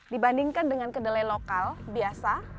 dibandingkan dengan kedelai lokal biasa